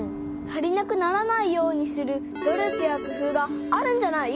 足りなくならないようにする努力やくふうがあるんじゃない？